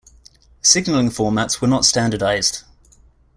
Signaling formats were not standardized.